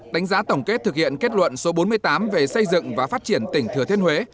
đánh giá tổng kết thực hiện kết luận số bốn mươi tám về xây dựng và phát triển tỉnh thừa thiên huế